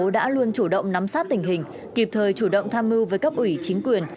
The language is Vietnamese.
đã luôn chủ động nắm sát tình hình kịp thời chủ động tham mưu với cấp ủy chính quyền